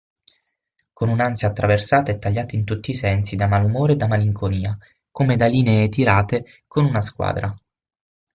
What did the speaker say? Con un'ansia attraversata e tagliata in tutti i sensi da malumore e da malinconia, come da linee tirate con una squadra.